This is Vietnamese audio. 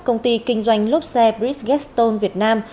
công ty kinh doanh lốp xe bridgestone việt nam